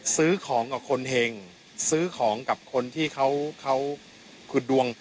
ซื้อของกับคนเห็งซื้อของกับคนที่เขาขุดดวง